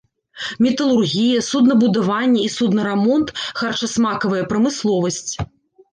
Металургія, суднабудаванне і суднарамонт, харчасмакавая прамысловасць.